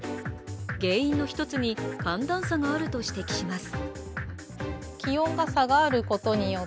原因の一つに寒暖差があると指摘します。